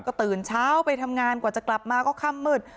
ก็ตื่นเช้าไปทำงานกว่าจะกลับมาก็ค่ำมืด